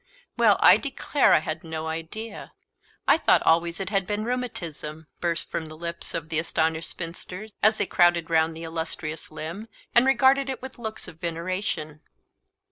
"Well, I declare, I had no idea; I thought always it had been rheumatism," burst from the lips of the astonished spinsters, as they crowded round the illustrious limb, and regarded it with looks of veneration.